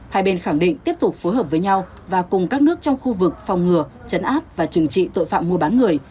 hai bên khẳng định tiếp tục phối hợp với nhau và cùng các nước trong khu vực phòng ngừa chấn áp và trừng trị tội phạm mua bán người